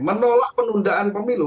menolak penundaan pemilu